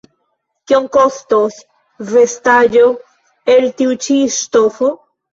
Kiom kostos vestaĵo el tiu ĉi ŝtofo?